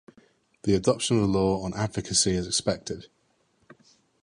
The adoption of the law "On Advocacy" is expected.